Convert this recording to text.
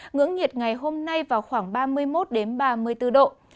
ngưỡng nhiệt ngày hôm nay vào khoảng ba mươi một ba mươi bốn độ